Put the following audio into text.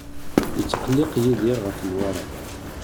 Yetqelleq Yidir ɣef Newwara.